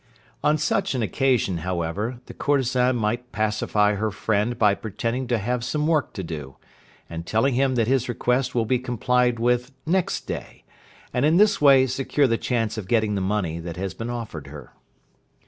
On such an occasion, however, the courtesan might pacify her friend by pretending to have some work to do, and telling him that his request will be complied with next day, and in this way secure the chance of getting the money that has been offered her.